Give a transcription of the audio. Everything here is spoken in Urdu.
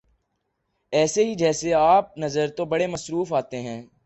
ایسے ہی جیسے آپ نظر تو بڑے مصروف آتے ہیں